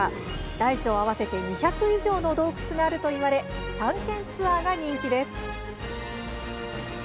大小合わせて２００以上の洞窟があるといわれ探検ツアーが人気です。